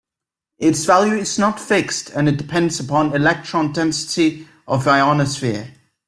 Its value is not fixed and it depends upon electron density of ionosphere.